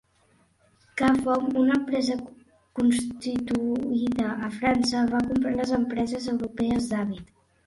Cafom, una empresa constituïda a França, va comprar les empreses europees d'Habitat.